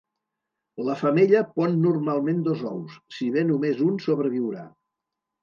La femella pon normalment dos ous, si bé només un sobreviurà.